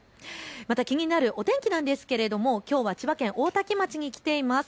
気になるお天気なんですがきょうは千葉県大多喜町に来ています。